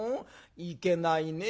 いけないね。